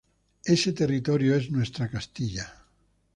Ese territorio es nuestra Castilla"".